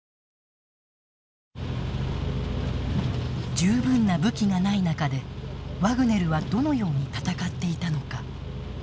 十分な武器がない中でワグネルはどのように戦っていたのか。